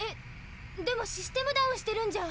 でもシステムダウンしてるんじゃ。